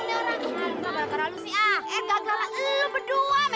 jangan jangan lu gajah